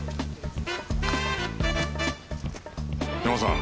ヤマさん。